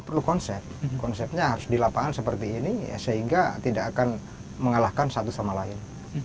perlu konsep konsepnya harus di lapangan seperti ini sehingga tidak akan mengalahkan satu sama lain